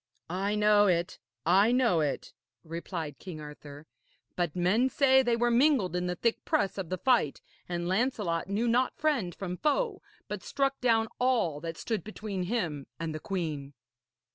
'I know it, I know it,' replied King Arthur. 'But men say they were mingled in the thick press of the fight, and Lancelot knew not friend from foe, but struck down all that stood between him and the queen.'